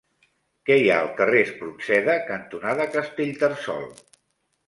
Què hi ha al carrer Espronceda cantonada Castellterçol?